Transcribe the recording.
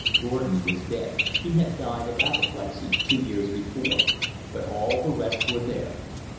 Gordon was dead, he had died of apoplexy two years before, but all the rest were there.